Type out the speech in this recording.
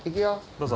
どうぞ。